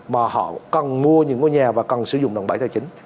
mà họ cần mua những ngôi nhà và cần sử dụng đồng bảy tài chính